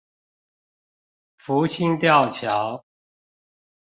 福興吊橋